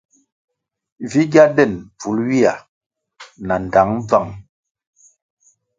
Vi gya den bvul ywia na ndtang bvang,